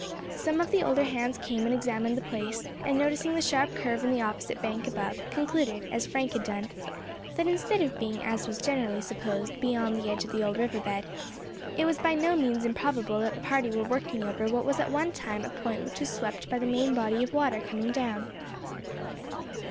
Some of the older hands came and examined the place, and, noticing the sharp curve in the opposite bank above, concluded, as Frank had done, that instead of being, as was generally supposed, beyond the edge of the old river bed, it was by no means improbable that the party were working over what was at one time a point which was swept by the main body of water coming down.